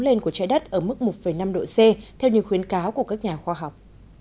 lên của trái đất ở mức một năm độ c theo như khuyến cáo của các nhà khoa học